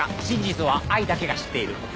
真実は愛だけが知っている。